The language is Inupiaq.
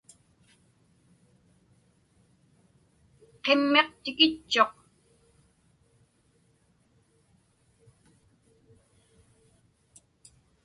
Qimmiq tikitchuq.